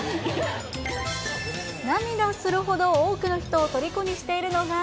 涙するほど多くの人をとりこにしているのが。